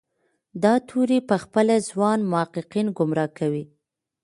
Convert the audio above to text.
دا توری پخپله ځوان محققین ګمراه کوي.